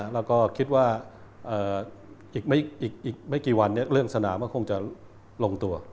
แล้วก็คิดว่าอีกไม่กี่วันเรื่องสนามก็คงจะลงตัว